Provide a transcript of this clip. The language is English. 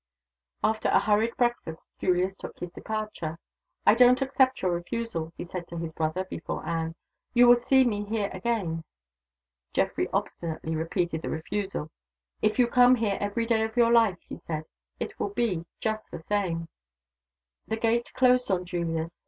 After a hurried breakfast Julius took his departure. "I don't accept your refusal," he said to his brother, before Anne. "You will see me here again." Geoffrey obstinately repeated the refusal. "If you come here every day of your life," he said, "it will be just the same." The gate closed on Julius.